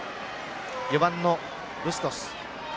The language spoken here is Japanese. ４番のブストス。